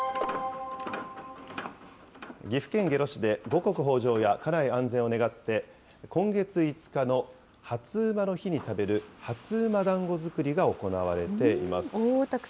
岐阜県下呂市で、五穀豊じょうや家内安全を願って、今月５日の初午の日に食べる初午だんご作りが行われています。